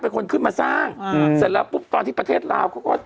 เป็นคนขึ้นมาสร้างอืมเสร็จแล้วปุ๊บตอนที่ประเทศลาวเขาก็